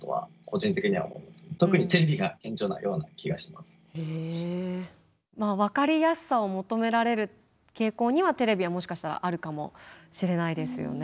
まあ分かりやすさを求められる傾向にはテレビはもしかしたらあるかもしれないですよね。